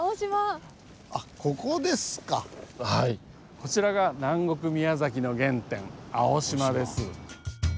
こちらが南国宮崎の原点青島です。